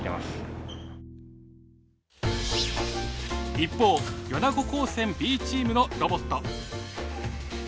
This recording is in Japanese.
一方米子高専Ｂチームのロボット。